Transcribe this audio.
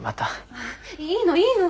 ああいいのいいの。